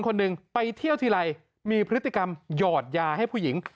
คนหนึ่งไปเที่ยวทีไรมีพฤติกรรมหยอดยาให้ผู้หญิง